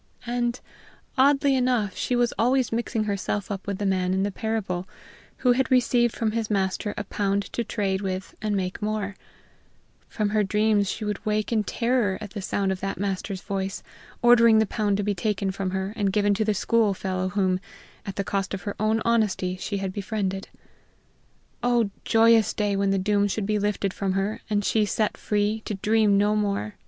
And, oddly enough, she was always mixing herself up with the man in the parable, who had received from his master a pound to trade with and make more; from her dreams she would wake in terror at the sound of that master's voice, ordering the pound to be taken from her and given to the school fellow whom, at the cost of her own honesty, she had befriended. Oh, joyous day when the doom should be lifted from her, and she set free, to dream no more!